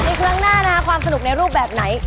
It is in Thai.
ครั้งหน้านะคะความสนุกในรูปแบบไหน